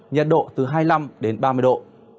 nhiệt độ từ hai mươi năm đến ba mươi độ